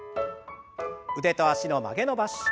腕と脚の曲げ伸ばし。